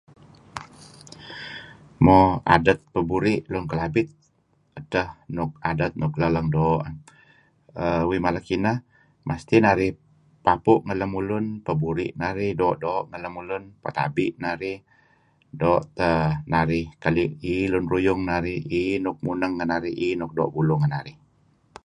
Mo adet peburi' Lun Kelabit edteh adet nuk leng-leng doo'. Uih mala kineh mesti narih papu' ngen lemulun peburi' narih doo'-doo' ngen lemulun, petabi' narih, doo' teh narih keli' iih lun ruyung narih, iih nuk muneng ngen narih, iih n uk doo' buluh ngen narih.